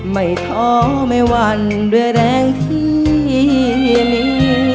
ไม่ท้อไม่หวั่นด้วยแรงที่มี